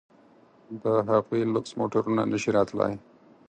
د هغوی لوکس موټرونه نه شي راتلای.